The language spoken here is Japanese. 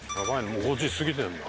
もう５時過ぎてるな。